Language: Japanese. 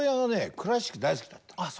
クラシック大好きだったの。